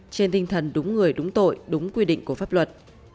trên tinh thần đúng người đúng tội đúng quy định của pháp luật